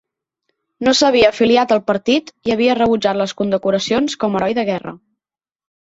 No s'havia afiliat al partit i havia rebutjat les condecoracions com a heroi de guerra.